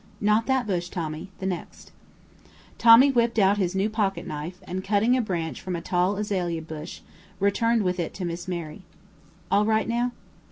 "Not that bush, Tommy the next." Tommy whipped out his new pocketknife, and, cutting a branch from a tall azalea bush, returned with it to Miss Mary. "All right now?"